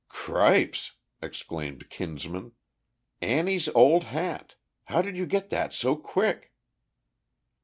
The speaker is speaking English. "Cripes!" exclaimed Kinsman. "Annie's old hat. How did you get that so quick?"